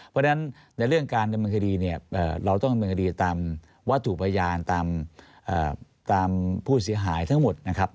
เพราะฉะนั้นในเรื่องการดำเนินคดีเนี่ยเราต้องดำเนินคดีตามวัตถุพยานตามผู้เสียหายทั้งหมดนะครับ